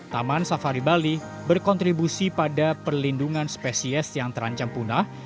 taman safari bali berkontribusi pada perlindungan spesies yang terancam punah